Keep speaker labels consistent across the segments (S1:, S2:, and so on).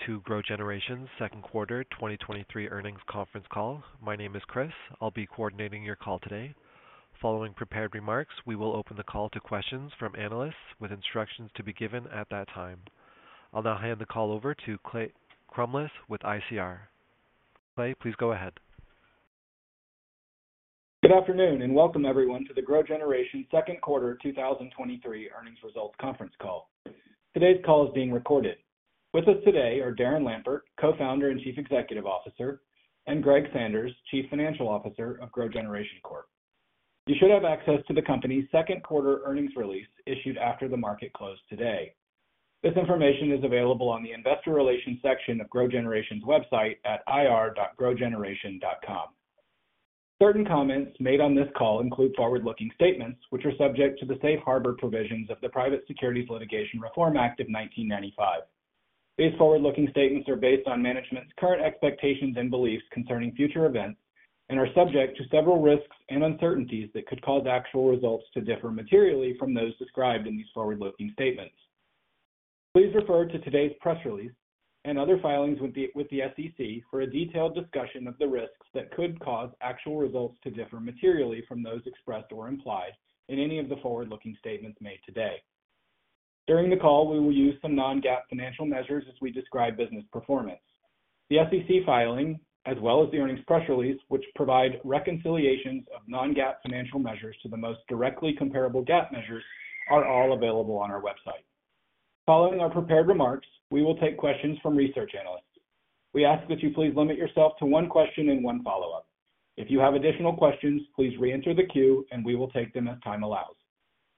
S1: Hello, welcome to GrowGeneration's second quarter 2023 earnings conference call. My name is Chris. I'll be coordinating your call today. Following prepared remarks, we will open the call to questions from analysts, with instructions to be given at that time. I'll now hand the call over to Clay Crumbliss with ICR. Clay, please go ahead.
S2: Good afternoon, and welcome everyone to the GrowGeneration second quarter 2023 earnings results conference call. Today's call is being recorded. With us today are Darren Lampert, Co-founder and Chief Executive Officer, and Greg Sanders, Chief Financial Officer of GrowGeneration Corp. You should have access to the company's second quarter earnings release issued after the market closed today. This information is available on the investor relations section of GrowGeneration's website at ir.growgeneration.com. Certain comments made on this call include forward-looking statements, which are subject to the safe harbor provisions of the Private Securities Litigation Reform Act of 1995. These forward-looking statements are based on management's current expectations and beliefs concerning future events and are subject to several risks and uncertainties that could cause actual results to differ materially from those described in these forward-looking statements. Please refer to today's press release and other filings with the SEC for a detailed discussion of the risks that could cause actual results to differ materially from those expressed or implied in any of the forward-looking statements made today. During the call, we will use some non-GAAP financial measures as we describe business performance. The SEC filing, as well as the earnings press release, which provide reconciliations of non-GAAP financial measures to the most directly comparable GAAP measures, are all available on our website. Following our prepared remarks, we will take questions from research analysts. We ask that you please limit yourself to 1 question and 1 follow-up. If you have additional questions, please reenter the queue, and we will take them as time allows.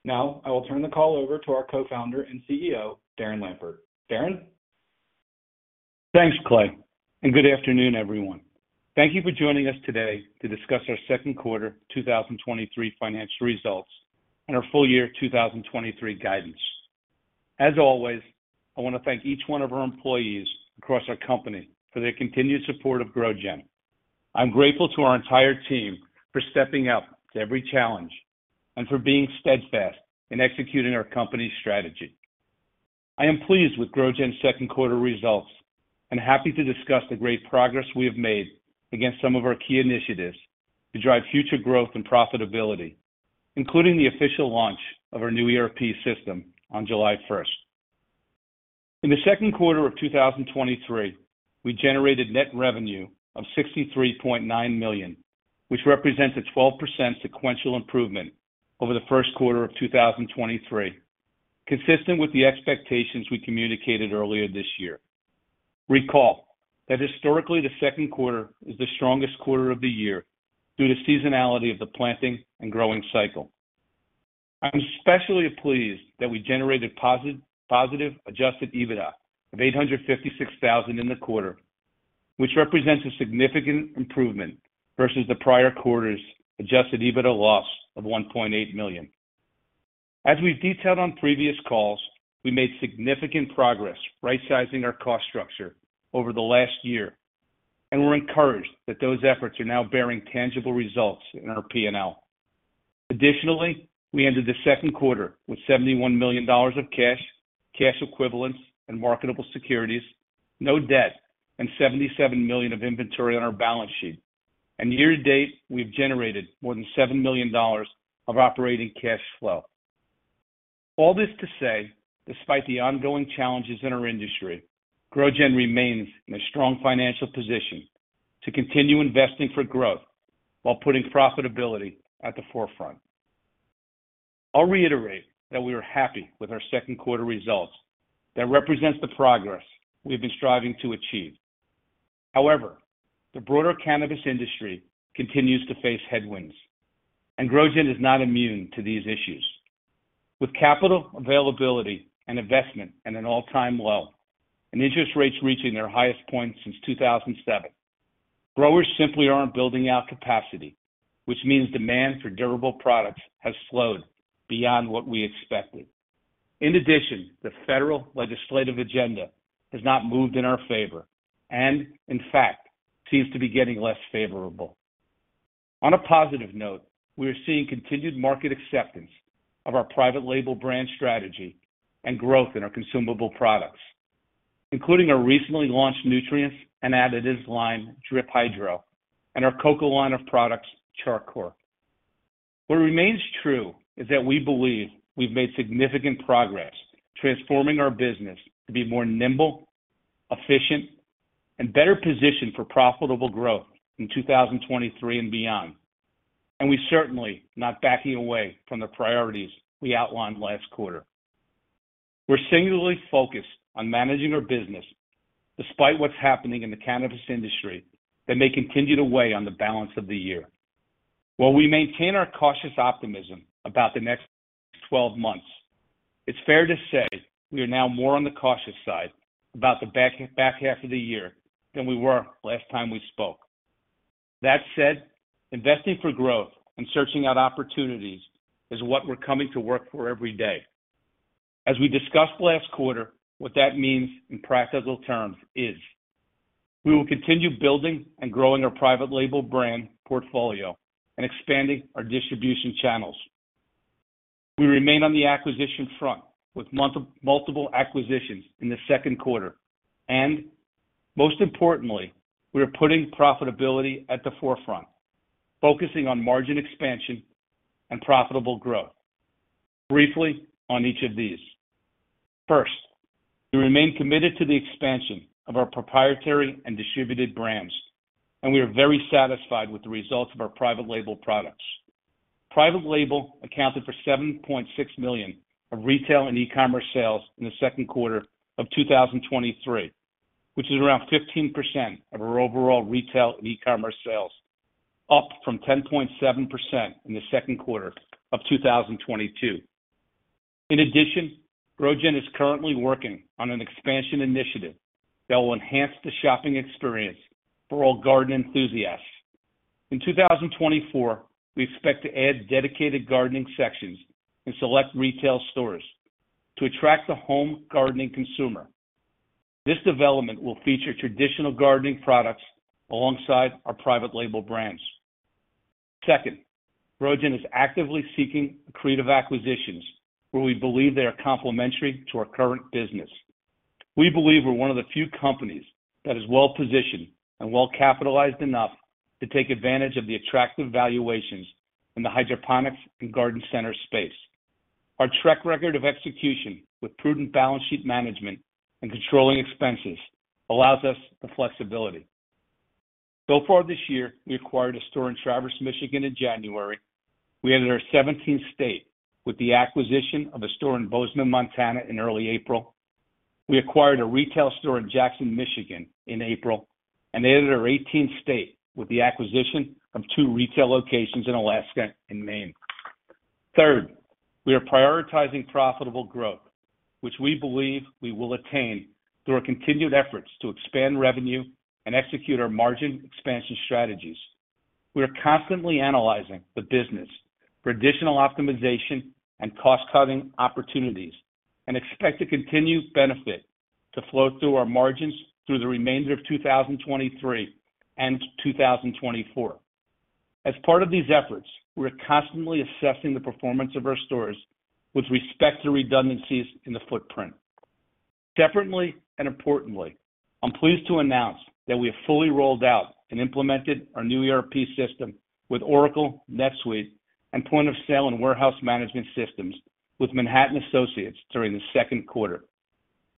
S2: Now, I will turn the call over to our co-founder and CEO, Darren Lampert. Darren?
S3: Thanks, Clay, and good afternoon, everyone. Thank you for joining us today to discuss our second quarter 2023 financial results and our full year 2023 guidance. As always, I want to thank each one of our employees across our company for their continued support of GrowGen. I'm grateful to our entire team for stepping up to every challenge and for being steadfast in executing our company's strategy. I am pleased with GrowGen's second quarter results and happy to discuss the great progress we have made against some of our key initiatives to drive future growth and profitability, including the official launch of our new ERP system on July 1. In the second quarter of 2023, we generated net revenue of $63.9 million, which represents a 12% sequential improvement over the first quarter of 2023, consistent with the expectations we communicated earlier this year. Recall that historically, the second quarter is the strongest quarter of the year due to seasonality of the planting and growing cycle. I'm especially pleased that we generated positive adjusted EBITDA of $856,000 in the quarter, which represents a significant improvement versus the prior quarter's adjusted EBITDA loss of $1.8 million. As we've detailed on previous calls, we made significant progress rightsizing our cost structure over the last year, and we're encouraged that those efforts are now bearing tangible results in our P&L. We ended the 2Q with $71 million of cash, cash equivalents, and marketable securities, no debt, and $77 million of inventory on our balance sheet. Year to date, we've generated more than $7 million of operating cash flow. All this to say, despite the ongoing challenges in our industry, GrowGen remains in a strong financial position to continue investing for growth while putting profitability at the forefront. I'll reiterate that we are happy with our 2Q results. That represents the progress we've been striving to achieve. However, the broader cannabis industry continues to face headwinds, and GrowGen is not immune to these issues. With capital availability and investment at an all-time low and interest rates reaching their highest point since 2007, growers simply aren't building out capacity, which means demand for durable products has slowed beyond what we expected. In addition, the federal legislative agenda has not moved in our favor and, in fact, seems to be getting less favorable. On a positive note, we are seeing continued market acceptance of our private label brand strategy and growth in our consumable products, including our recently launched nutrients and additives line, Drip Hydro, and our coco line of products, Char Coir. What remains true is that we believe we've made significant progress transforming our business to be more nimble, efficient, and better positioned for profitable growth in 2023 and beyond. We're certainly not backing away from the priorities we outlined last quarter. We're singularly focused on managing our business despite what's happening in the cannabis industry that may continue to weigh on the balance of the year. While we maintain our cautious optimism about the next 12 months, it's fair to say we are now more on the cautious side about the back half of the year than we were last time we spoke. That said, investing for growth and searching out opportunities is what we're coming to work for every day. As we discussed last quarter, what that means in practical terms is we will continue building and growing our private label brand portfolio and expanding our distribution channels. We remain on the acquisition front with multiple acquisitions in the 2Q, and most importantly, we are putting profitability at the forefront, focusing on margin expansion and profitable growth. Briefly on each of these. First, we remain committed to the expansion of our proprietary and distributed brands, and we are very satisfied with the results of our private label products. Private label accounted for $7.6 million of retail and e-commerce sales in the second quarter of 2023, which is around 15% of our overall retail and e-commerce sales, up from 10.7% in the second quarter of 2022. In addition, GrowGen is currently working on an expansion initiative that will enhance the shopping experience for all garden enthusiasts. In 2024, we expect to add dedicated gardening sections in select retail stores to attract the home gardening consumer. This development will feature traditional gardening products alongside our private label brands. Second, GrowGen is actively seeking accretive acquisitions where we believe they are complementary to our current business. We believe we're one of the few companies that is well-positioned and well-capitalized enough to take advantage of the attractive valuations in the hydroponics and garden center space. Our track record of execution with prudent balance sheet management and controlling expenses allows us the flexibility. So far this year, we acquired a store in Traverse, Michigan, in January. We entered our 17th state with the acquisition of a store in Bozeman, Montana, in early April. We acquired a retail store in Jackson, Michigan, in April, and entered our 18th state with the acquisition of two retail locations in Alaska and Maine. Third, we are prioritizing profitable growth, which we believe we will attain through our continued efforts to expand revenue and execute our margin expansion strategies. We are constantly analyzing the business for additional optimization and cost-cutting opportunities, and expect to continue benefit to flow through our margins through the remainder of 2023 and 2024. As part of these efforts, we are constantly assessing the performance of our stores with respect to redundancies in the footprint. Separately and importantly, I'm pleased to announce that we have fully rolled out and implemented our new ERP system with Oracle NetSuite and point of sale and warehouse management systems with Manhattan Associates during the second quarter.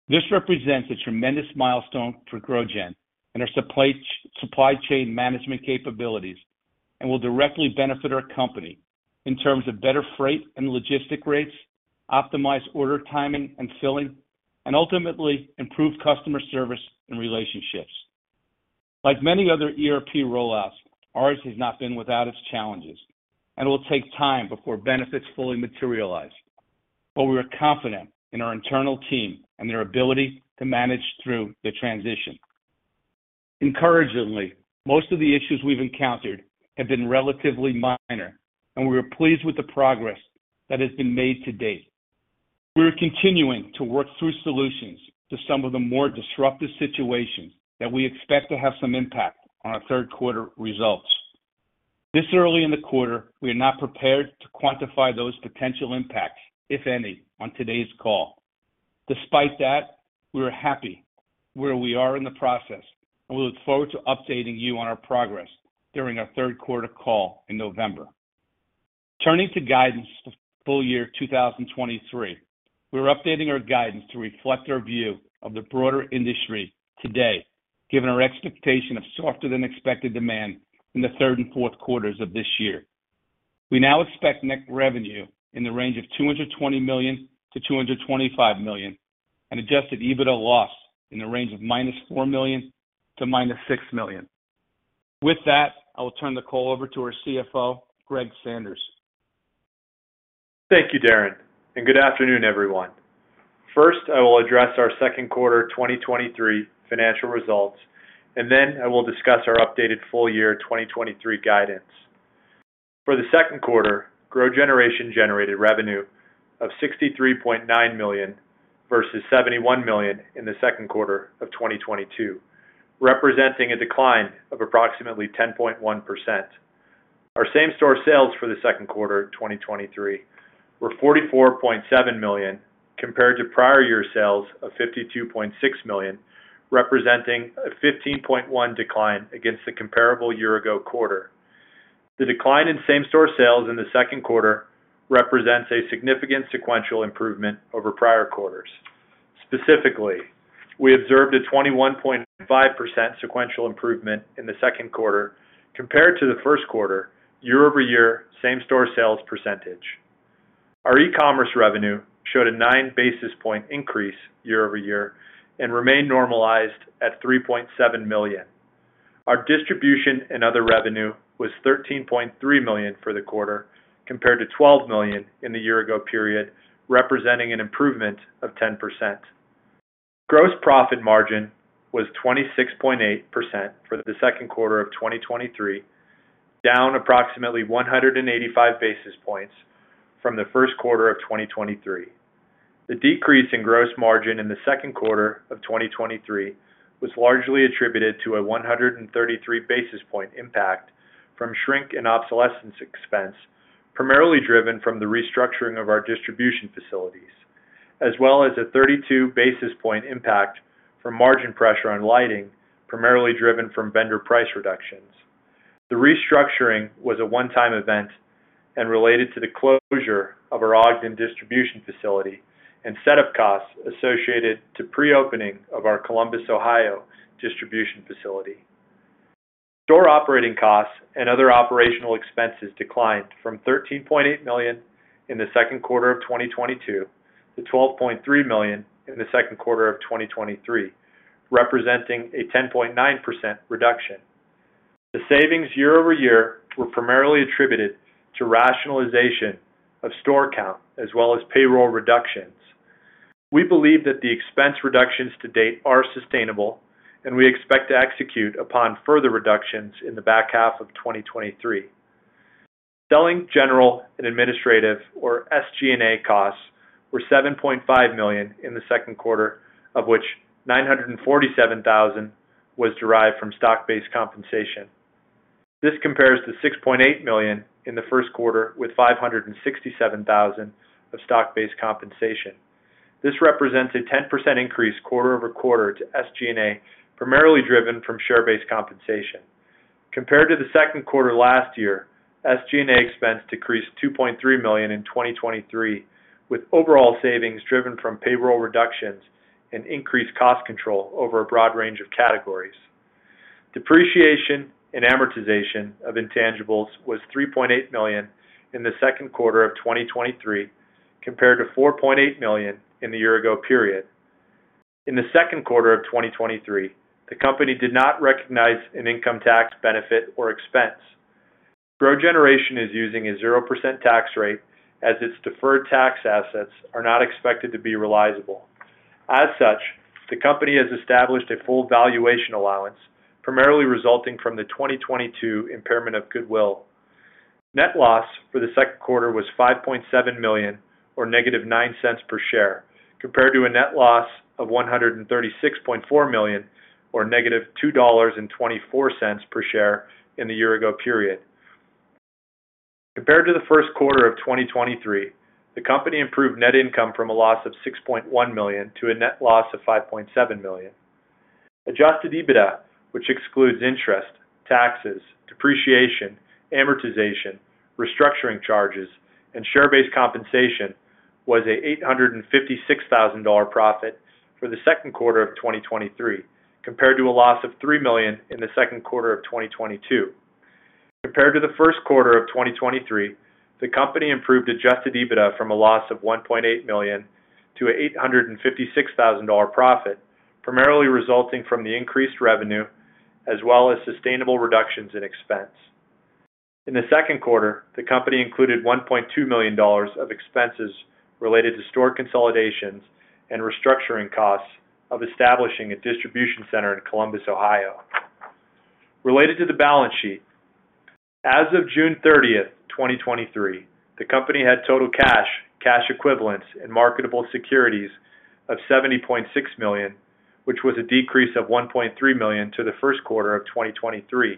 S3: This represents a tremendous milestone for GrowGen and our supply chain management capabilities, and will directly benefit our company in terms of better freight and logistic rates, optimized order timing and filling, and ultimately improved customer service and relationships. Like many other ERP rollouts, ours has not been without its challenges and will take time before benefits fully materialize. We are confident in our internal team and their ability to manage through the transition. Encouragingly, most of the issues we've encountered have been relatively minor, and we are pleased with the progress that has been made to date. We are continuing to work through solutions to some of the more disruptive situations that we expect to have some impact on our third quarter results. This early in the quarter, we are not prepared to quantify those potential impacts, if any, on today's call. Despite that, we are happy where we are in the process, and we look forward to updating you on our progress during our third quarter call in November. Turning to guidance for full year 2023, we are updating our guidance to reflect our view of the broader industry today, given our expectation of softer than expected demand in the third and fourth quarters of this year. We now expect net revenue in the range of $220 million-$225 million, and adjusted EBITDA loss in the range of -$4 million to -$6 million. With that, I will turn the call over to our CFO, Greg Sanders.
S4: Thank you, Darren, and good afternoon, everyone. First, I will address our second quarter 2023 financial results, and then I will discuss our updated full year 2023 guidance. For the second quarter, GrowGeneration generated revenue of $63.9 million versus $71 million in the second quarter of 2022, representing a decline of approximately 10.1%. Our same-store sales for the second quarter 2023 were $44.7 million, compared to prior year sales of $52.6 million, representing a 15.1% decline against the comparable year-ago quarter. The decline in same-store sales in the second quarter represents a significant sequential improvement over prior quarters. Specifically, we observed a 21.5% sequential improvement in the second quarter compared to the first quarter, year-over-year same-store sales percentage. Our e-commerce revenue showed a nine basis point increase year-over-year and remained normalized at $3.7 million. Our distribution and other revenue was $13.3 million for the quarter, compared to $12 million in the year-ago period, representing an improvement of 10%. Gross profit margin was 26.8% for the second quarter of 2023, down approximately 185 basis points from the first quarter of 2023. The decrease in gross margin in the second quarter of 2023 was largely attributed to a 133 basis point impact from shrink and obsolescence expense, primarily driven from the restructuring of our distribution facilities, as well as a 32 basis point impact from margin pressure on lighting, primarily driven from vendor price reductions. The restructuring was a one-time event and related to the closure of our Ogden distribution facility and set up costs associated to pre-opening of our Columbus, Ohio, distribution facility. Store operating costs and other operational expenses declined from $13.8 million in the second quarter of 2022 to $12.3 million in the second quarter of 2023, representing a 10.9% reduction. The savings year-over-year were primarily attributed to rationalization of store count as well as payroll reductions. We believe that the expense reductions to date are sustainable, and we expect to execute upon further reductions in the back half of 2023. Selling, general, and administrative, or SG&A costs, were $7.5 million in the second quarter, of which $947,000 was derived from stock-based compensation. This compares to $6.8 million in the first quarter, with $567,000 of stock-based compensation. This represents a 10% increase quarter-over-quarter to SG&A, primarily driven from share-based compensation. Compared to the second quarter last year, SG&A expense decreased $2.3 million in 2023, with overall savings driven from payroll reductions and increased cost control over a broad range of categories. Depreciation and amortization of intangibles was $3.8 million in the second quarter of 2023, compared to $4.8 million in the year ago period. In the second quarter of 2023, the company did not recognize an income tax benefit or expense. GrowGeneration is using a 0% tax rate as its deferred tax assets are not expected to be realizable. As such, the company has established a full valuation allowance, primarily resulting from the 2022 impairment of goodwill. Net loss for the second quarter was $5.7 million, or negative $0.09 per share, compared to a net loss of $136.4 million, or negative $2.24 per share in the year ago period. Compared to the first quarter of 2023, the company improved net income from a loss of $6.1 million to a net loss of $5.7 million. Adjusted EBITDA, which excludes interest, taxes, depreciation, amortization, restructuring charges, and share-based compensation, was a $856,000 profit for the second quarter of 2023, compared to a loss of $3 million in the second quarter of 2022. Compared to the first quarter of 2023, the company improved adjusted EBITDA from a loss of $1.8 million to $856,000 profit, primarily resulting from the increased revenue as well as sustainable reductions in expense. In the second quarter, the company included $1.2 million of expenses related to store consolidations and restructuring costs of establishing a distribution center in Columbus, Ohio. Related to the balance sheet, as of June 30, 2023, the company had total cash, cash equivalents, and marketable securities of $70.6 million, which was a decrease of $1.3 million to the first quarter of 2023.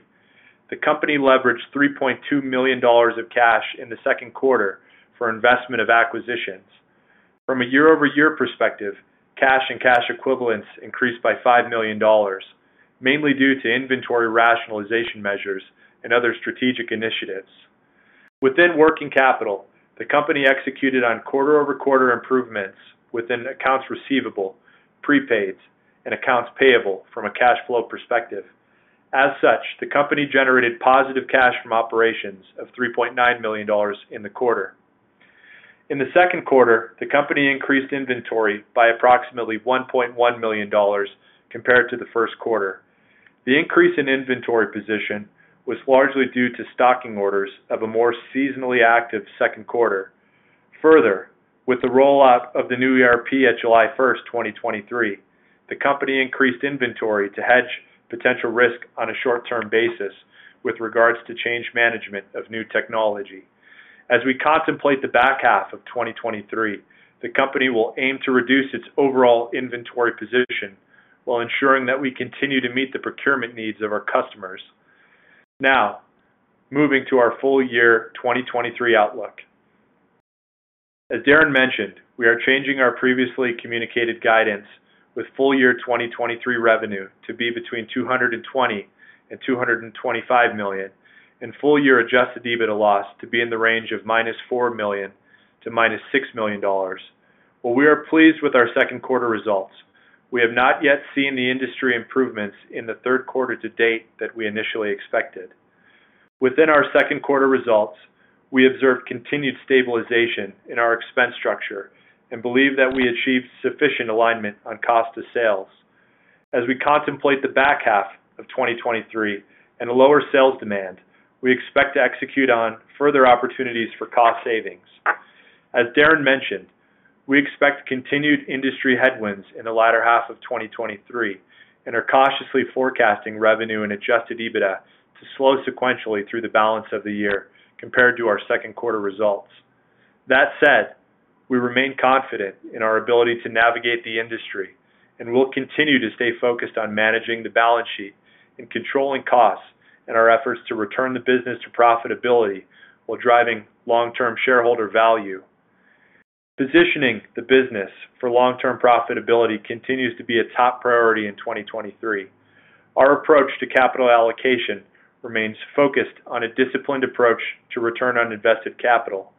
S4: The company leveraged $3.2 million of cash in the second quarter for investment of acquisitions. From a year-over-year perspective, cash and cash equivalents increased by $5 million, mainly due to inventory rationalization measures and other strategic initiatives. Within working capital, the company executed on quarter-over-quarter improvements within accounts receivable, prepaids, and accounts payable from a cash flow perspective. As such, the company generated positive cash from operations of $3.9 million in the quarter. In the second quarter, the company increased inventory by approximately $1.1 million compared to the first quarter. The increase in inventory position was largely due to stocking orders of a more seasonally active second quarter. Further, with the rollout of the new ERP at July 1, 2023, the company increased inventory to hedge potential risk on a short-term basis with regards to change management of new technology. As we contemplate the back half of 2023, the company will aim to reduce its overall inventory position while ensuring that we continue to meet the procurement needs of our customers. Now, moving to our full year 2023 outlook. As Darren mentioned, we are changing our previously communicated guidance with full year 2023 revenue to be between $220 million and $225 million, and full year adjusted EBITDA loss to be in the range of -$4 million to -$6 million. While we are pleased with our second quarter results, we have not yet seen the industry improvements in the third quarter to date that we initially expected. Within our second quarter results, we observed continued stabilization in our expense structure and believe that we achieved sufficient alignment on cost of sales. As we contemplate the back half of 2023 and a lower sales demand, we expect to execute on further opportunities for cost savings. As Darren mentioned, we expect continued industry headwinds in the latter half of 2023 and are cautiously forecasting revenue and adjusted EBITDA... slow sequentially through the balance of the year compared to our second quarter results. That said, we'll remain confident in our ability to navigate the industry, and we'll continue to stay focused on managing the balance sheet and controlling costs in our efforts to return the business to profitability while driving long-term shareholder value. Positioning the business for long-term profitability continues to be a top priority in 2023. Our approach to capital allocation remains focused on a disciplined approach to return on invested capital.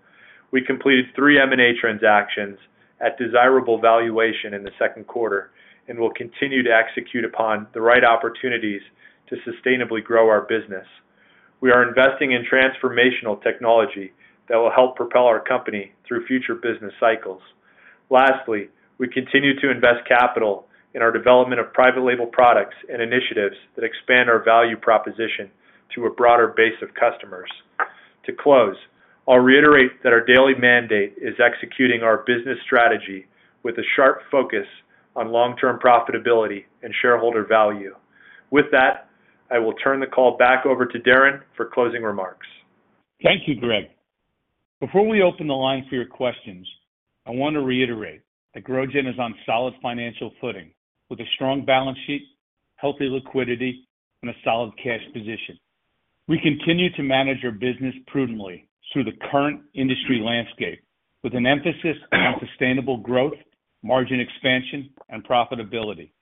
S4: We completed three M&A transactions at desirable valuation in the second quarter and will continue to execute upon the right opportunities to sustainably grow our business. We are investing in transformational technology that will help propel our company through future business cycles. Lastly, we continue to invest capital in our development of private label products and initiatives that expand our value proposition to a broader base of customers. To close, I'll reiterate that our daily mandate is executing our business strategy with a sharp focus on long-term profitability and shareholder value. With that, I will turn the call back over to Darren for closing remarks.
S3: Thank you, Greg. Before we open the line for your questions, I want to reiterate that GrowGen is on solid financial footing, with a strong balance sheet, healthy liquidity, and a solid cash position. We continue to manage our business prudently through the current industry landscape, with an emphasis on sustainable growth, margin expansion, and profitability.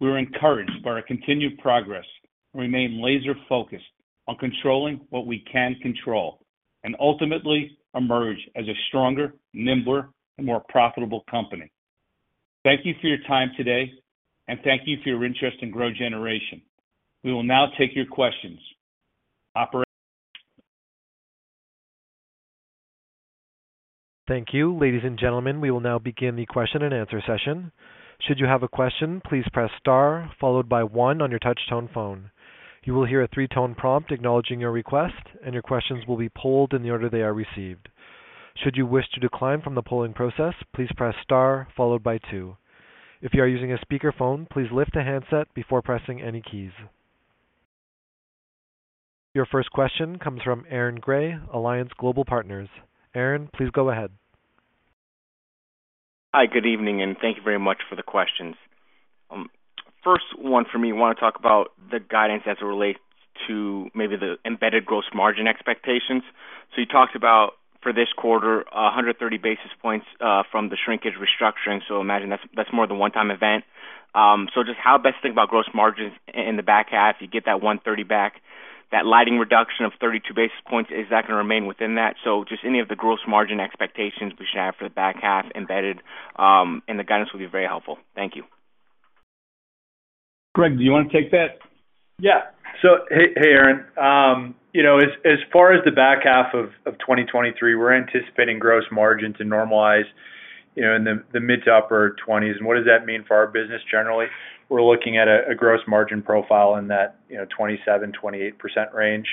S3: We are encouraged by our continued progress and remain laser-focused on controlling what we can control and ultimately emerge as a stronger, nimbler, and more profitable company. Thank you for your time today, and thank you for your interest in GrowGeneration. We will now take your questions. Operator?
S1: Thank you. Ladies and gentlemen, we will now begin the question and answer session. Should you have a question, please press star followed by one on your touch-tone phone. You will hear a three-tone prompt acknowledging your request, and your questions will be polled in the order they are received. Should you wish to decline from the polling process, please press star followed by two. If you are using a speakerphone, please lift the handset before pressing any keys. Your first question comes from Aaron Grey, Alliance Global Partners. Aaron, please go ahead.
S5: Hi, good evening. Thank you very much for the questions. First one for me, I want to talk about the guidance as it relates to maybe the embedded gross margin expectations. You talked about, for this quarter, 130 basis points from the shrinkage restructuring. Imagine that's more the one-time event. Just how best to think about gross margins in the back half, you get that 130 back, that lighting reduction of 32 basis points, is that going to remain within that? Just any of the gross margin expectations we should have for the back half embedded in the guidance will be very helpful. Thank you.
S3: Greg, do you want to take that?
S4: Yeah. Hey, hey, Aaron. You know, as, as far as the back half of 2023, we're anticipating gross margin to normalize, you know, in the mid to upper twenties. What does that mean for our business generally? We're looking at a, a gross margin profile in that, you know, 27-28% range,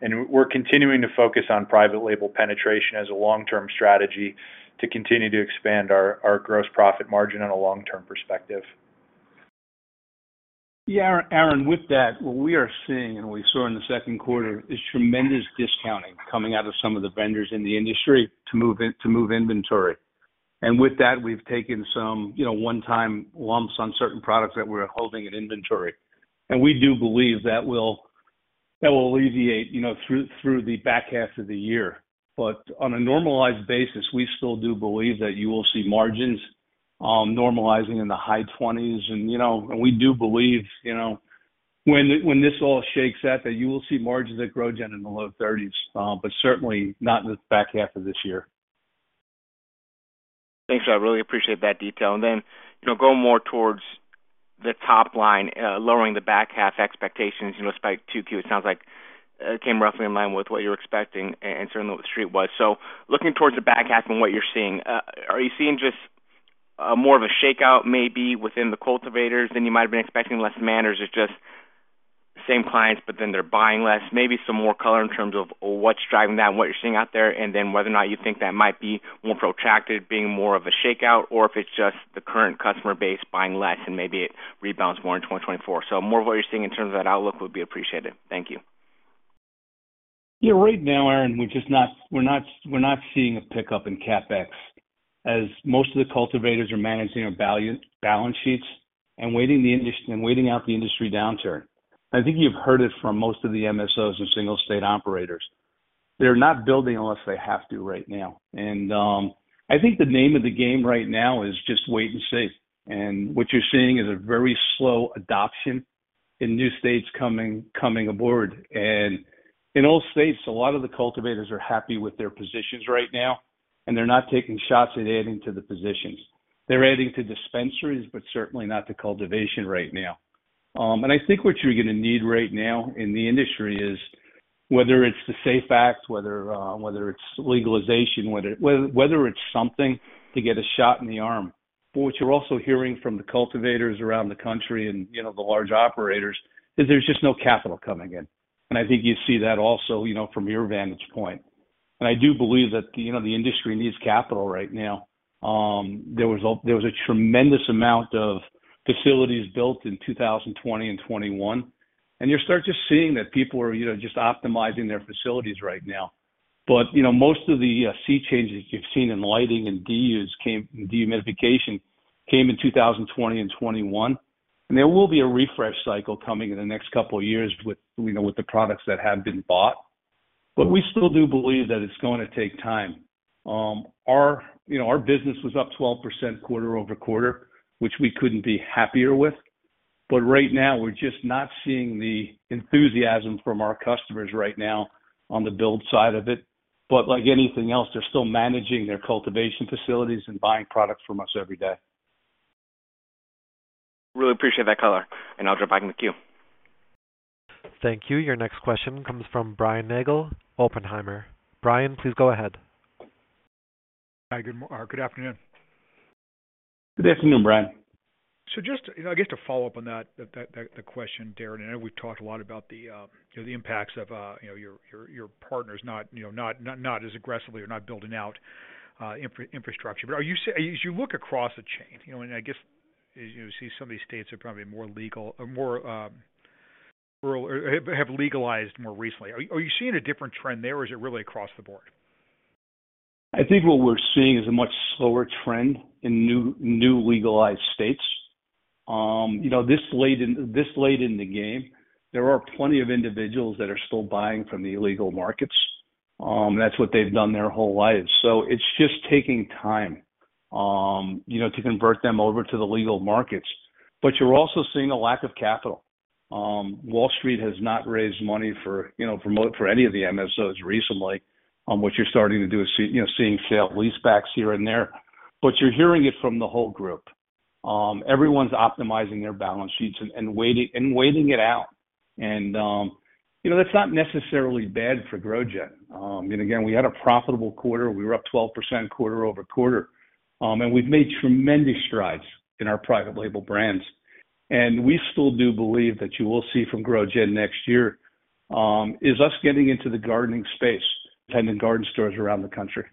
S4: and we're continuing to focus on private label penetration as a long-term strategy to continue to expand our, our gross profit margin on a long-term perspective.
S3: Yeah, Aaron, with that, what we are seeing and we saw in the second quarter, is tremendous discounting coming out of some of the vendors in the industry to move inventory. With that, we've taken some, you know, one-time lumps on certain products that we're holding in inventory. We do believe that will alleviate, you know, through the back half of the year. On a normalized basis, we still do believe that you will see margins normalizing in the high 20s. You know, we do believe, when this all shakes out, that you will see margins at GrowGen in the low 30s, but certainly not in the back half of this year.
S5: Thanks. I really appreciate that detail. Then, you know, going more towards the top line, lowering the back half expectations, you know, despite Q2, it sounds like, came roughly in line with what you're expecting and certainly what the street was. Looking towards the back half and what you're seeing, are you seeing just, more of a shakeout maybe within the cultivators than you might have been expecting less manners or just same clients, but then they're buying less? Maybe some more color in terms of what's driving that and what you're seeing out there, and then whether or not you think that might be more protracted, being more of a shakeout, or if it's just the current customer base buying less and maybe it rebounds more in 2024. More of what you're seeing in terms of that outlook would be appreciated. Thank you.
S3: Yeah, right now, Aaron, we're just not, we're not, we're not seeing a pickup in CapEx, as most of the cultivators are managing their balance sheets and waiting out the industry downturn. I think you've heard it from most of the MSOs or single-state operators. They're not building unless they have to right now. I think the name of the game right now is just wait and see. What you're seeing is a very slow adoption in new states coming, coming aboard. In all states, a lot of the cultivators are happy with their positions right now, and they're not taking shots at adding to the positions. They're adding to dispensaries, but certainly not to cultivation right now. I think what you're going to need right now in the industry is whether it's the SAFE Act, whether, whether it's legalization, whether, whether it's something to get a shot in the arm. What you're also hearing from the cultivators around the country and, you know, the large operators, is there's just no capital coming in. I think you see that also, you know, from your vantage point. I do believe that, you know, the industry needs capital right now. There was a, there was a tremendous amount of facilities built in 2020 and 2021, and you start just seeing that people are, you know, just optimizing their facilities right now. You know, most of the, sea changes you've seen in lighting and dehu, dehumidification, came in 2020 and 2021. There will be a refresh cycle coming in the next couple of years with, you know, with the products that have been bought. We still do believe that it's going to take time. Our, you know, our business was up 12% quarter-over-quarter, which we couldn't be happier with. Right now, we're just not seeing the enthusiasm from our customers right now on the build side of it. Like anything else, they're still managing their cultivation facilities and buying products from us every day.
S5: Really appreciate that color, and I'll drop back in the queue.
S1: Thank you. Your next question comes from Brian Nagel, Oppenheimer. Brian, please go ahead.
S6: Hi, good afternoon.
S3: Good afternoon, Brian.
S6: Just, you know, I guess to follow up on that, the question, Darren, I know we've talked a lot about the, you know, the impacts of, you know, your partners, not, you know, not as aggressively or not building out infrastructure. Are you saying as you look across the chain, you know, and I guess, as you see, some of these states are probably more legal or more rural, or have legalized more recently? Are you seeing a different trend there, or is it really across the board?
S3: I think what we're seeing is a much slower trend in new, new legalized states. You know, this late in, this late in the game, there are plenty of individuals that are still buying from the illegal markets. That's what they've done their whole lives. It's just taking time, you know, to convert them over to the legal markets. You're also seeing a lack of capital. Wall Street has not raised money for, you know, for any of the MSOs recently. What you're starting to do is see, you know, seeing sale-leasebacks here and there, but you're hearing it from the whole group. Everyone's optimizing their balance sheets and, and waiting, and waiting it out. You know, that's not necessarily bad for GrowGen. Again, we had a profitable quarter. We were up 12% quarter-over-quarter. We've made tremendous strides in our private label brands. We still do believe that you will see from GrowGen next year, is us getting into the gardening space and in garden stores around the country.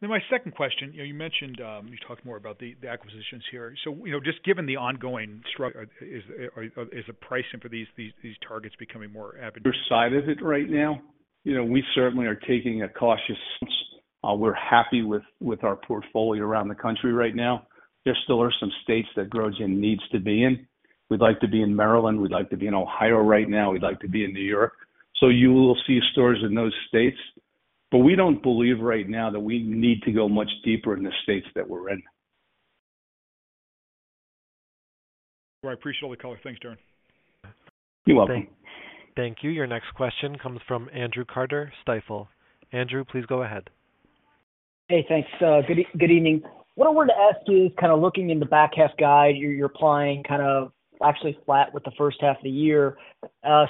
S6: My second question, you know, you mentioned, you talked more about the, the acquisitions here. You know, just given the ongoing, is, is the pricing for these, these, these targets becoming more avid?
S3: Your side of it right now, you know, we certainly are taking a cautious approach. We're happy with, with our portfolio around the country right now. There still are some states that GrowGen needs to be in. We'd like to be in Maryland, we'd like to be in Ohio right now, we'd like to be in New York. You will see stores in those states, but we don't believe right now that we need to go much deeper in the states that we're in.
S6: I appreciate all the color. Thanks, Darren.
S3: You're welcome.
S1: Thank you. Your next question comes from Andrew Carter, Stifel. Andrew, please go ahead.
S7: Hey, thanks. good, good evening. What I wanted to ask you, kind of looking in the back half guide, you're, you're applying kind of actually flat with the first half of the year.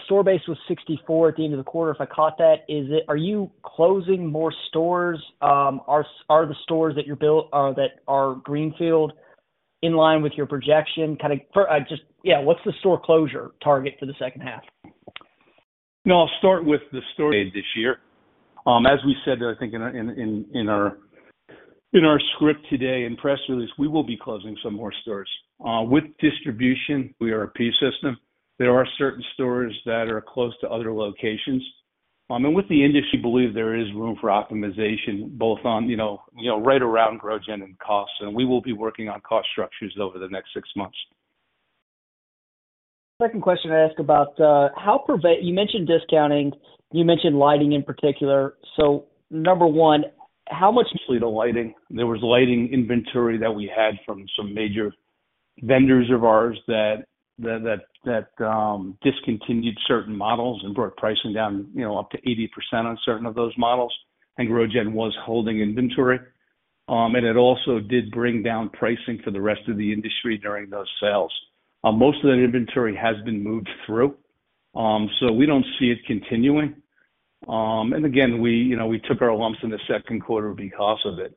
S7: store base was 64 at the end of the quarter, if I caught that. Are you closing more stores? Are the stores that you built, that are greenfield in line with your projection? Yeah, what's the store closure target for the second half?
S3: No, I'll start with the story this year. As we said, I think in our script today and press release, we will be closing some more stores. With distribution, we are a P system. There are certain stores that are close to other locations. And with the industry, believe there is room for optimization, both on, you know, right around GrowGen and costs, and we will be working on cost structures over the next 6 months.
S7: Second question I ask about, how you mentioned discounting, you mentioned lighting in particular. Number one, how much.
S3: Mostly the lighting. There was lighting inventory that we had from some major vendors of ours that, that, that, discontinued certain models and brought pricing down, you know, up to 80% on certain of those models. GrowGen was holding inventory, and it also did bring down pricing for the rest of the industry during those sales. Most of that inventory has been moved through, so we don't see it continuing. Again, we, you know, we took our lumps in the second quarter because of it.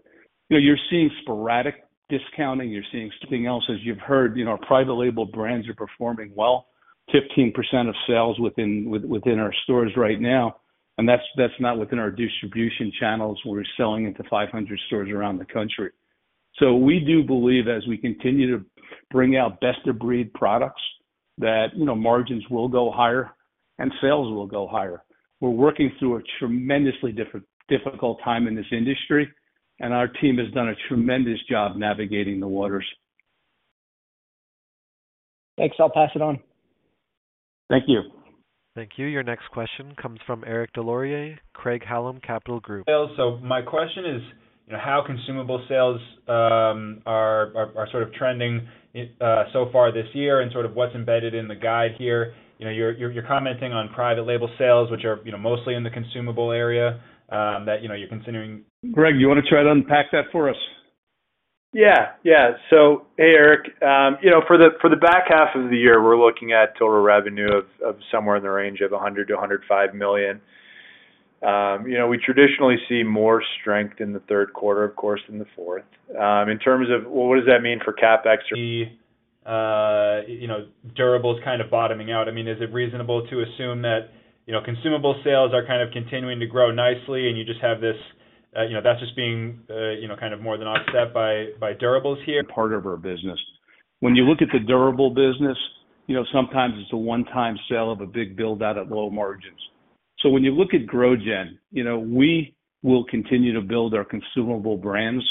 S3: You know, you're seeing sporadic discounting, you're seeing something else, as you've heard, you know, our private label brands are performing well, 15% of sales within, within our stores right now, and that's, that's not within our distribution channels. We're selling into 500 stores around the country. We do believe as we continue to bring out best-of-breed products, that, you know, margins will go higher and sales will go higher. We're working through a tremendously difficult time in this industry, and our team has done a tremendous job navigating the waters.
S7: Thanks. I'll pass it on.
S3: Thank you.
S1: Thank you. Your next question comes from Eric Des Lauriers, Craig-Hallum Capital Group.
S8: My question is, you know, how consumable sales are, are, are sort of trending so far this year and sort of what's embedded in the guide here? You know, you're, you're commenting on private label sales, which are, you know, mostly in the consumable area that, you know, you're considering.
S3: Greg, do you want to try to unpack that for us?
S4: Yeah. Yeah. Hey, Eric, you know, for the, for the back half of the year, we're looking at total revenue of, of somewhere in the range of $100 million-$105 million. You know, we traditionally see more strength in the third quarter, of course, than the fourth. In terms of what does that mean for CapEx or....
S8: you know, durables kind of bottoming out? I mean, is it reasonable to assume that, you know, consumable sales are kind of continuing to grow nicely, and you just have this, you know, that's just being, you know, kind of more than offset by, by durables here?
S3: Part of our business. When you look at the durable business, you know, sometimes it's a one-time sale of a big build-out at low margins. When you look at GrowGen, you know, we will continue to build our consumable brands,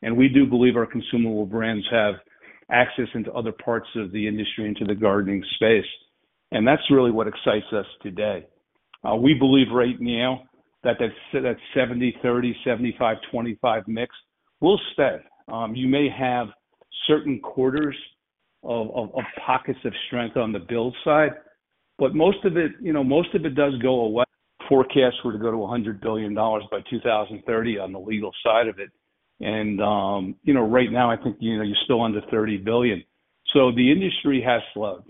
S3: and we do believe our consumable brands have access into other parts of the industry, into the gardening space. That's really what excites us today. We believe right now that that 70/30, 75/25 mix will stay. You may have certain quarters of, of, of pockets of strength on the build side, but most of it, you know, most of it does go away. Forecasts were to go to $100 billion by 2030 on the legal side of it, and, you know, right now, I think, you know, you're still under $30 billion. The industry has slowed.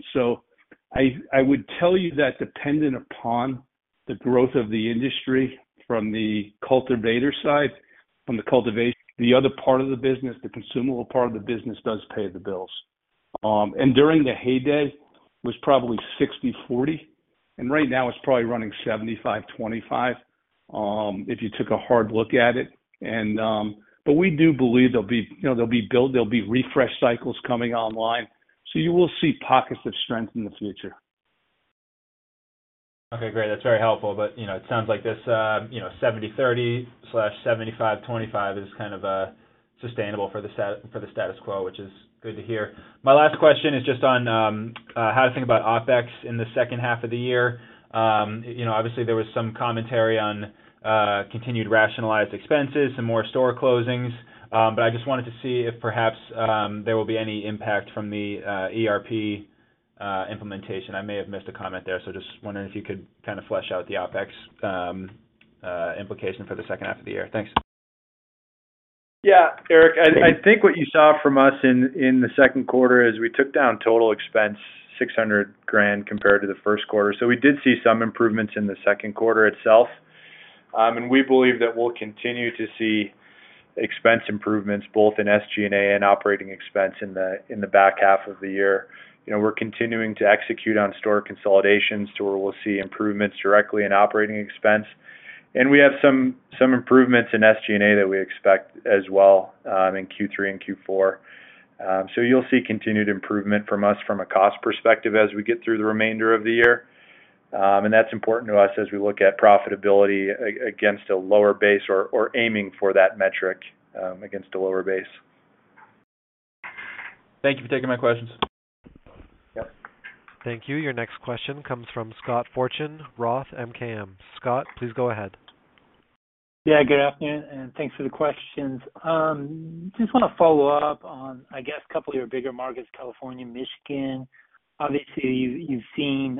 S3: I, I would tell you that dependent upon the growth of the industry from the cultivator side, from the cultivation- the other part of the business, the consumable part of the business, does pay the bills. During the heyday, was probably 60/40, and right now it's probably running 75/25, if you took a hard look at it. We do believe there'll be, you know, there'll be build, there'll be refresh cycles coming online, so you will see pockets of strength in the future.
S8: Okay, great. That's very helpful. You know, it sounds like this, you know, 70/30 slash 75/25 is kind of sustainable for the status quo, which is good to hear. My last question is just on how to think about OpEx in the second half of the year. You know, obviously, there was some commentary on continued rationalized expenses and more store closings. I just wanted to see if perhaps there will be any impact from the ERP implementation. I may have missed a comment there, just wondering if you could kind of flesh out the OpEx implication for the second half of the year. Thanks.
S4: Yeah, Eric, I, I think what you saw from us in, in the second quarter is we took down total expense, $600,000, compared to the first quarter. We did see some improvements in the second quarter itself. We believe that we'll continue to see expense improvements both in SG&A and operating expense in the, in the back half of the year. You know, we're continuing to execute on store consolidations to where we'll see improvements directly in operating expense. We have some, some improvements in SG&A that we expect as well in Q3 and Q4. You'll see continued improvement from us from a cost perspective as we get through the remainder of the year. That's important to us as we look at profitability against a lower base or, or aiming for that metric against a lower base.
S8: Thank you for taking my questions.
S4: Yep.
S1: Thank you. Your next question comes from Scott Fortune, Roth MKM. Scott, please go ahead.
S9: Yeah, good afternoon, and thanks for the questions. Just want to follow up on, I guess, a couple of your bigger markets, California, Michigan. Obviously, you've, you've seen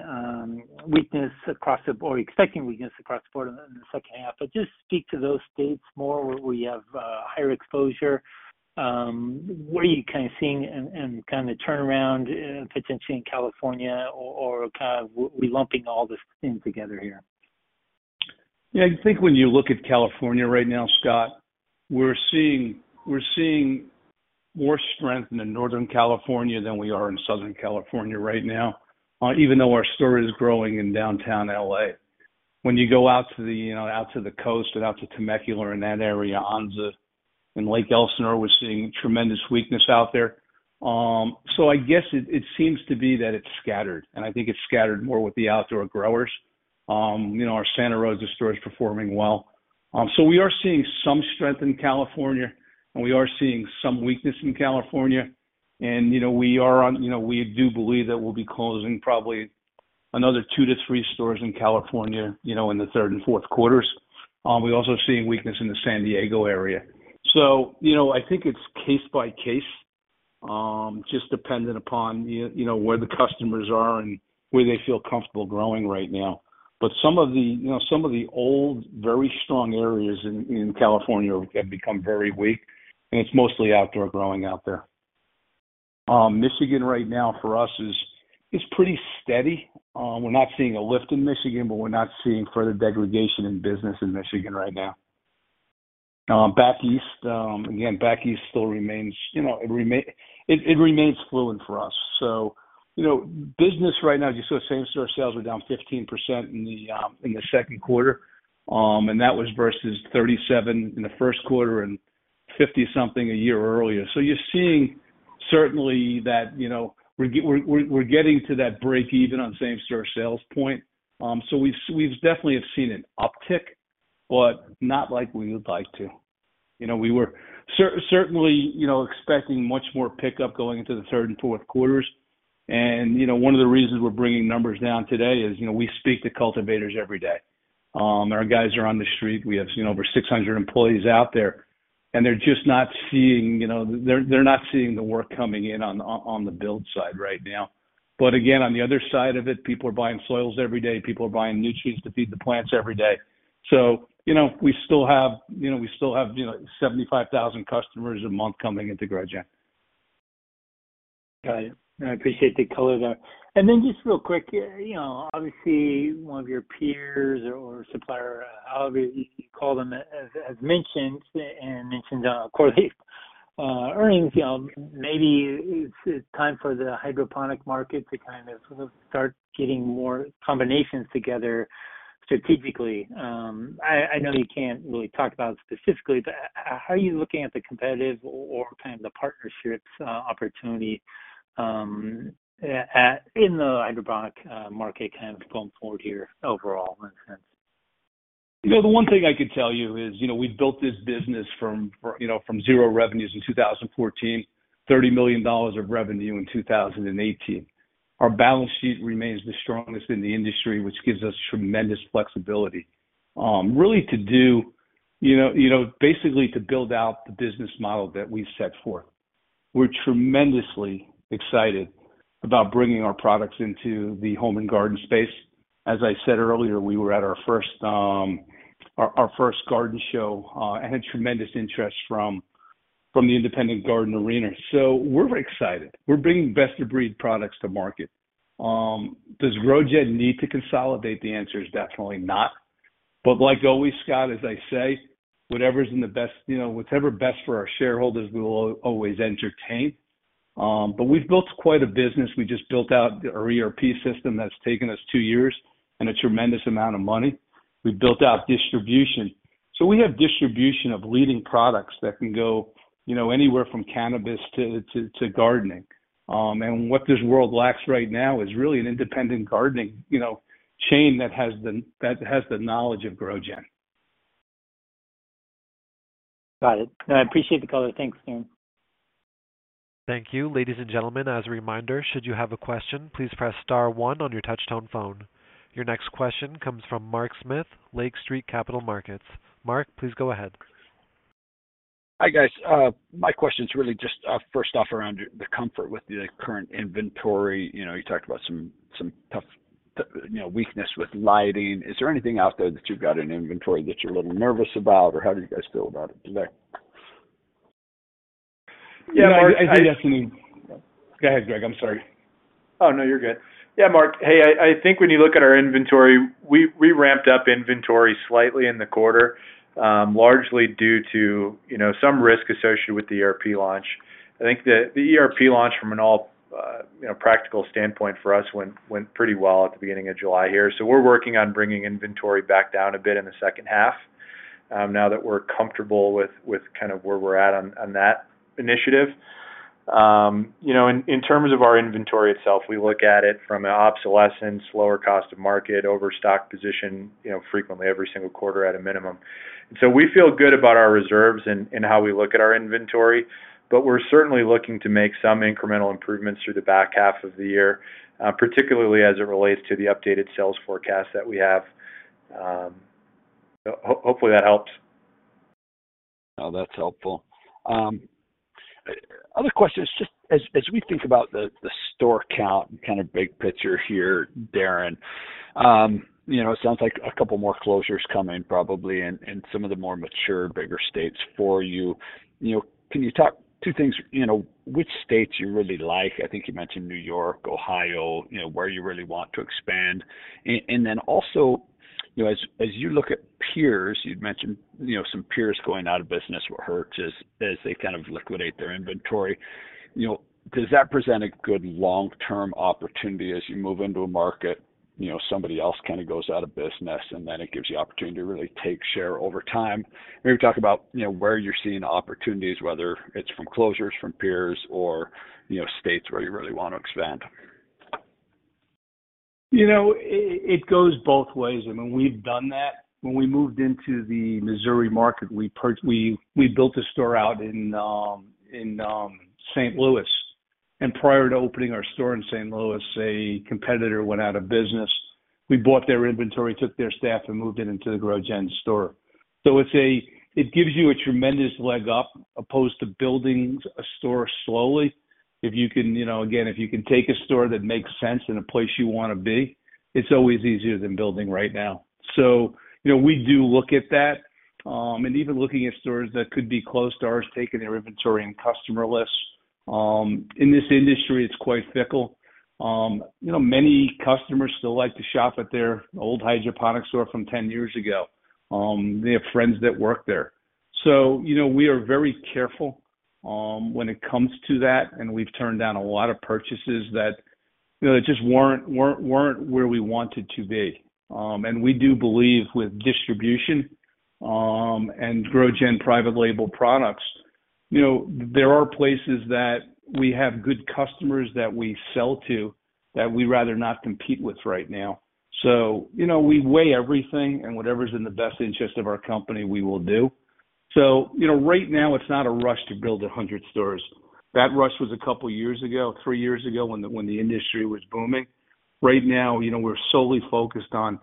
S9: weakness across the board, or expecting weakness across the board in the second half. Just speak to those states more, where we have higher exposure. What are you kind of seeing and kind of turnaround potentially in California or kind of we lumping all this in together here?
S3: Yeah. I think when you look at California right now, Scott, we're seeing, we're seeing more strength in the Northern California than we are in Southern California right now, even though our store is growing in downtown L.A. When you go out to the, you know, out to the coast and out to Temecula and that area, Anza and Lake Elsinore, we're seeing tremendous weakness out there. I guess it, it seems to be that it's scattered, and I think it's scattered more with the outdoor growers. You know, our Santa Rosa store is performing well. We are seeing some strength in California, and we are seeing some weakness in California. You know, we are on... You know, we do believe that we'll be closing probably another 2-3 stores in California, you know, in the third and fourth quarters. We're also seeing weakness in the San Diego area. You know, I think it's case by case, just dependent upon the, you know, where the customers are and where they feel comfortable growing right now. Some of the, you know, some of the old, very strong areas in California have become very weak, and it's mostly outdoor growing out there. Michigan right now for us is pretty steady. We're not seeing a lift in Michigan, but we're not seeing further degradation in business in Michigan right now. Back east, again, back east still remains, you know, it rema-- it, it remains fluid for us. You know, business right now, you saw same store sales were down 15% in the second quarter, and that was versus 37 in the first quarter and 50 something a year earlier. You're seeing certainly that, you know, we're, we're, we're getting to that break even on same store sales point. You know, so we've, we've definitely have seen an uptick, but not like we would like to. You know, we were certainly, you know, expecting much more pickup going into the third and fourth quarters. You know, one of the reasons we're bringing numbers down today is, you know, we speak to cultivators every day. Our guys are on the street. We have, you know, over 600 employees out there, and they're just not seeing, you know, they're, they're not seeing the work coming in on, on the build side right now. Again, on the other side of it, people are buying soils every day, people are buying nutrients to feed the plants every day. You know, we still have, you know, we still have, you know, 75,000 customers a month coming into GrowGen.
S9: Got it. I appreciate the color there. Then just real quick, you know, obviously, one of your peers or, or supplier, however you call them, as mentioned, and mentioned on the quarterly-...
S4: earnings, you know, maybe it's, it's time for the hydroponic market to kind of sort of start getting more combinations together strategically. I know you can't really talk about it specifically, but how are you looking at the competitive or kind of the partnerships opportunity in the hydroponic market, kind of going forward here overall?
S3: You know, the one thing I could tell you is, you know, we built this business from, you know, from zero revenues in 2014, $30 million of revenue in 2018. Our balance sheet remains the strongest in the industry, which gives us tremendous flexibility, really to do, you know, you know, basically to build out the business model that we set forth. We're tremendously excited about bringing our products into the home and garden space. As I said earlier, we were at our first, our first garden show, and had tremendous interest from, from the independent garden arena. We're excited. We're bringing best-of-breed products to market. Does GrowGen need to consolidate? The answer is definitely not. Like always, Scott, as I say, whatever's in the best, you know, whatever's best for our shareholders, we will always entertain. We've built quite a business. We just built out our ERP system that's taken us 2 years and a tremendous amount of money. We've built out distribution. We have distribution of leading products that can go, you know, anywhere from cannabis to gardening. What this world lacks right now is really an independent gardening, you know, chain that has the knowledge of GrowGen.
S4: Got it. No, I appreciate the call though. Thanks, Darren.
S1: Thank you. Ladies and gentlemen, as a reminder, should you have a question, please press star one on your touchtone phone. Your next question comes from Mark Smith, Lake Street Capital Markets. Mark, please go ahead.
S10: Hi, guys. My question is really just, first off, around the, the comfort with the current inventory. You know, you talked about some, some tough, you know, weakness with lighting. Is there anything out there that you've got in inventory that you're a little nervous about, or how do you guys feel about it today?
S3: Yeah, Mark, I-
S4: Yeah, I mean...
S3: Go ahead, Greg, I'm sorry.
S4: Oh, no, you're good. Yeah, Mark, hey, I, I think when you look at our inventory, we, we ramped up inventory slightly in the quarter, largely due to, you know, some risk associated with the ERP launch. I think the, the ERP launch from an all, you know, practical standpoint for us, went, went pretty well at the beginning of July here. So we're working on bringing inventory back down a bit in the second half, now that we're comfortable with, with kind of where we're at on, on that initiative. You know, in, in terms of our inventory itself, we look at it from an obsolescence, lower of cost or market, overstock position, you know, frequently, every single quarter at a minimum. We feel good about our reserves and, and how we look at our inventory, but we're certainly looking to make some incremental improvements through the back half of the year, particularly as it relates to the updated sales forecast that we have. Hopefully that helps.
S10: No, that's helpful. Other question is just as, as we think about the, the store count, kind of big picture here, Darren, you know, it sounds like a couple more closures coming, probably in, in some of the more mature, bigger states for you. You know, can you talk two things, you know, which states you really like? I think you mentioned New York, Ohio, you know, where you really want to expand. Then also, you know, as, as you look at peers, you'd mentioned, you know, some peers going out of business with hurts as, as they kind of liquidate their inventory. You know, does that present a good long-term opportunity as you move into a market, you know, somebody else kind of goes out of business, and then it gives you opportunity to really take share over time? Maybe talk about, you know, where you're seeing opportunities, whether it's from closures, from peers, or, you know, states where you really want to expand?
S3: You know, it, it goes both ways. I mean, we've done that. When we moved into the Missouri market, we, we built a store out in St. Louis, and prior to opening our store in St. Louis, a competitor went out of business. We bought their inventory, took their staff, and moved it into the GrowGen store. It gives you a tremendous leg up opposed to building a store slowly. If you can, you know, again, if you can take a store that makes sense in a place you want to be, it's always easier than building right now. You know, we do look at that, and even looking at stores that could be close to ours, taking their inventory and customer lists. In this industry, it's quite fickle. You know, many customers still like to shop at their old hydroponic store from 10 years ago. They have friends that work there. We are very careful, when it comes to that, and we've turned down a lot of purchases that, you know, that just weren't, weren't, weren't where we wanted to be. And we do believe with distribution, and GrowGen private label products, you know, there are places that we have good customers that we sell to, that we rather not compete with right now. We weigh everything, and whatever's in the best interest of our company, we will do. Right now, it's not a rush to build 100 stores. That rush was a couple of years ago, three years ago, when the, when the industry was booming. Right now, you know, we're solely focused on,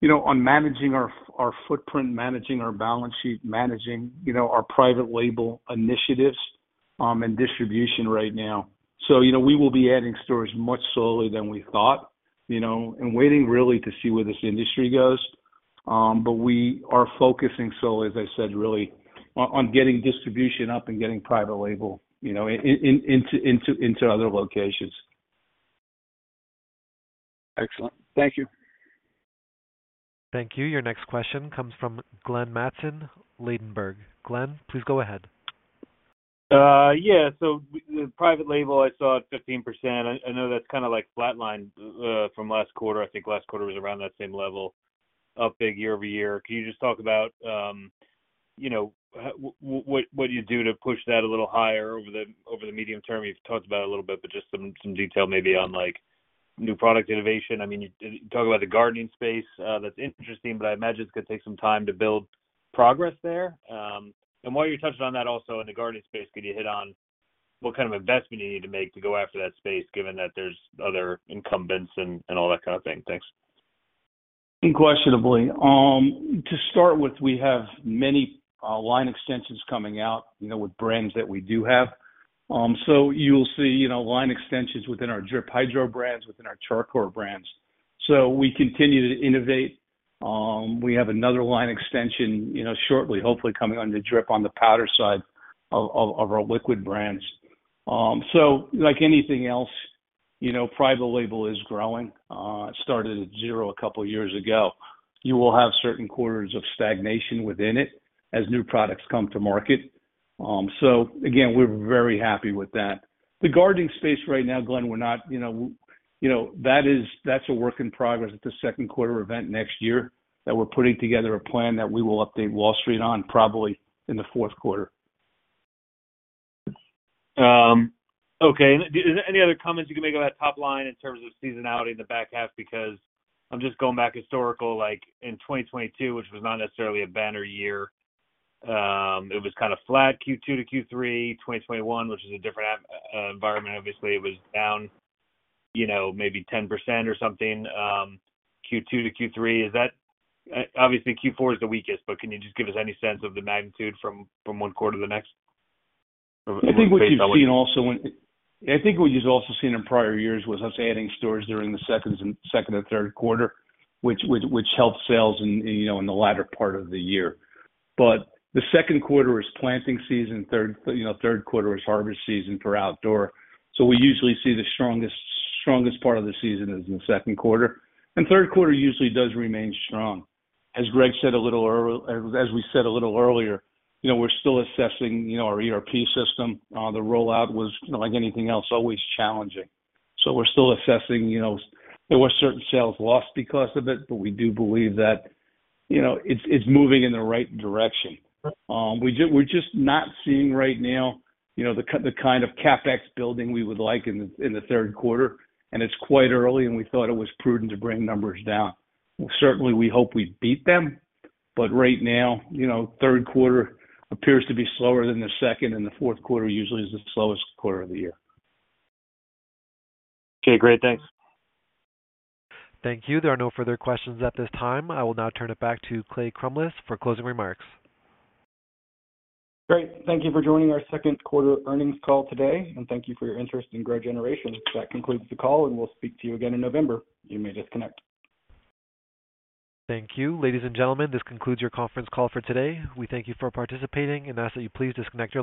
S3: you know, on managing our, our footprint, managing our balance sheet, managing, you know, our private label initiatives, and distribution right now. You know, we will be adding stores much slowly than we thought, you know, and waiting really to see where this industry goes. We are focusing so, as I said, really, on, on getting distribution up and getting private label, you know, into other locations. Excellent. Thank you.
S1: Thank you. Your next question comes from Glenn Mattson, Ladenburg. Glenn, please go ahead.
S11: Yeah. The private label I saw at 15%. I know that's kind of, like, flatlined from last quarter. I think last quarter was around that same level, up big year-over-year. Can you just talk about, you know, what do you do to push that a little higher over the medium term? You've talked about it a little bit, but just some detail maybe on, like, new product innovation. I mean, you talk about the gardening space. That's interesting, but I imagine it's going to take some time to build progress there. While you're touching on that also in the garden space, could you hit on what kind of investment you need to make to go after that space, given that there's other incumbents and all that kind of thing? Thanks.
S3: Unquestionably. To start with, we have many line extensions coming out, you know, with brands that we do have. You'll see, you know, line extensions within our Drip Hydro brands, within our Char Coir brands. We continue to innovate. We have another line extension, you know, shortly, hopefully coming on the drip, on the powder side of, of, of our liquid brands. Like anything else, you know, private label is growing. It started at 0 a couple of years ago. You will have certain quarters of stagnation within it as new products come to market. Again, we're very happy with that. The gardening space right now, Glenn, we're not, you know, you know, that is, that's a work in progress at the second quarter event next year, that we're putting together a plan that we will update Wall Street on, probably in the fourth quarter.
S11: Okay. Any other comments you can make on that top line in terms of seasonality in the back half? Because I'm just going back historical, like in 2022, which was not necessarily a banner year, it was kind of flat Q2 to Q3. 2021, which is a different, environment, obviously, it was down, you know, maybe 10% or something, Q2 to Q3. Obviously, Q4 is the weakest, but can you just give us any sense of the magnitude from one quarter to the next?
S3: I think what you've also seen in prior years was us adding stores during the second and third quarter, which helped sales in, you know, in the latter part of the year. The second quarter is planting season. Third, you know, third quarter is harvest season for outdoor. We usually see the strongest, strongest part of the season is in the second quarter, and third quarter usually does remain strong. As Greg said a little earlier, as we said a little earlier, you know, we're still assessing, you know, our ERP system. The rollout was, like anything else, always challenging. We're still assessing. You know, there were certain sales lost because of it, but we do believe that, you know, it's, it's moving in the right direction. We just, we're just not seeing right now, you know, the kind of CapEx building we would like in the, in the third quarter. It's quite early. We thought it was prudent to bring numbers down. Certainly, we hope we beat them. Right now, you know, third quarter appears to be slower than the second. The fourth quarter usually is the slowest quarter of the year.
S11: Okay, great. Thanks.
S1: Thank you. There are no further questions at this time. I will now turn it back to Clay Crumbliss for closing remarks.
S2: Great. Thank you for joining our second quarter earnings call today, and thank you for your interest in GrowGeneration. That concludes the call, and we'll speak to you again in November. You may disconnect.
S1: Thank you. Ladies and gentlemen, this concludes your conference call for today. We thank you for participating and ask that you please disconnect your lines.